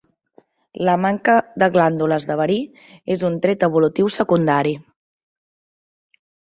La manca de glàndules de verí és un tret evolutiu secundari.